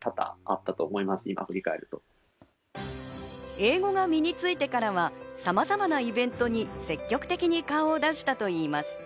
英語が身に着いてからはさまざまなイベントに積極的に顔を出したといいます。